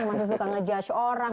masih suka ngejudge orang